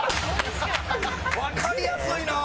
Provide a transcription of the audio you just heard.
わかりやすいなあ！